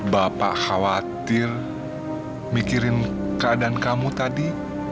bapak khawatir mikirin keadaan kamu tadi